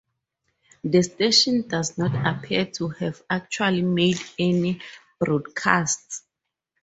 The station does not appear to have actually made any broadcasts.